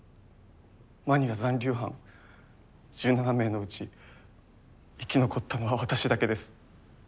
マニラ残留班１７名のうち生き残ったのは私だけです。